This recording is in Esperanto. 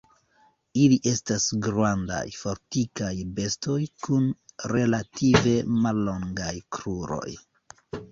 Ili estas grandaj, fortikaj bestoj kun relative mallongaj kruroj.